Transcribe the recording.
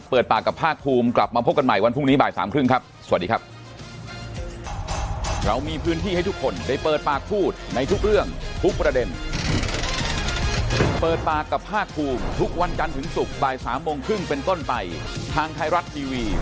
เปิดปากกับภาคภูมิกลับมาพบกันใหม่วันพรุ่งนี้บ่ายสามครึ่งครับสวัสดีครับ